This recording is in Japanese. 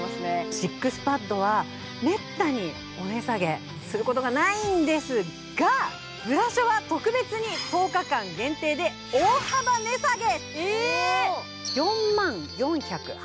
ＳＩＸＰＡＤはめったにお値下げすることがないんですが、ブラショは特別に１０日間限定で大幅値下げ。